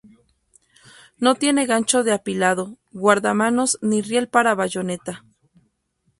No tiene gancho de apilado, guardamanos ni riel para bayoneta.